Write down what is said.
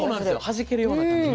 はじけるような感じ。